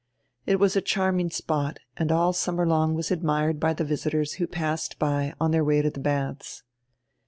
It was a charming spot and all sum mer long was admired by tire visitors who passed by on their way to the baths.